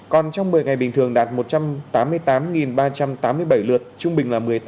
còn trong một mươi ngày bình thường đạt một trăm tám mươi tám ba trăm tám mươi bảy lượt trung bình là một mươi tám